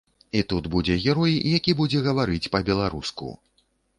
І тут будзе герой які будзе гаварыць па-беларуску.